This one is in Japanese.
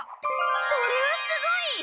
それはすごい！